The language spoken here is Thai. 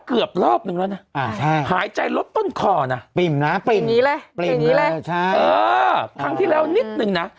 ครั้งที่แล้วนิดนึงนะ